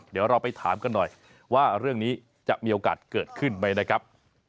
เดี๋ยวเราไปถามกันหน่อยว่าเรื่องนี้จะมีโอกาสเกิดขึ้นไหมนะครับ